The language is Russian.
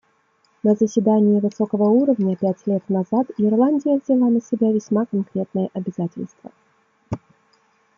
На заседании высокого уровня пять лет назад Ирландия взяла на себя весьма конкретное обязательство.